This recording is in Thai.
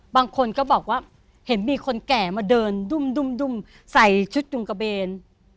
บางคนก็บอกว่าเห็นมีคนแก่มาเดินดุ่มใส่ชุดยุงกระเบน